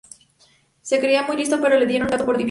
Se creía muy listo pero le dieron gato por liebre